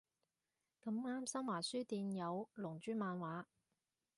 咁啱新華書店有龍珠漫畫